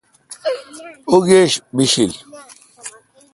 او°گیش بِشیل۔